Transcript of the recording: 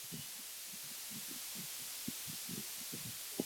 两人前往蜜桃姐姐徐荔枝并结为好友。